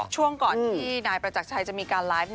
ช่วงก่อนที่นายประจักรชัยจะมีการไลฟ์